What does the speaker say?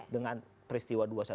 dengan peristiwa dua ratus dua belas